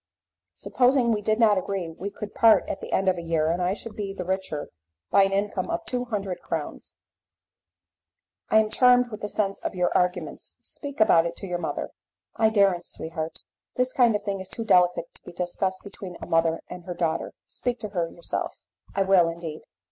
Supposing we did not agree we could part at the end of a year, and I should be the richer by an income of two hundred crowns." "I am charmed with the sense of your arguments; speak about it to your mother." "I daren't, sweetheart; this kind of thing is too delicate to be discussed between a mother and her daughter speak to her yourself." "I will, indeed."